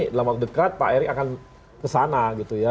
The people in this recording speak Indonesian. dalam waktu dekat pak erick akan kesana gitu ya